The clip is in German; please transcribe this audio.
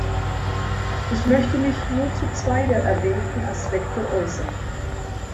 Ich möchte mich nur zu zwei der erwähnten Aspekte äußern.